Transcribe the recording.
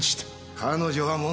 彼女は問題外だ。